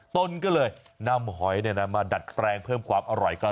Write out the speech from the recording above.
ตนก็เลยนำหอยมาดัดแปลงเพิ่มความอร่อย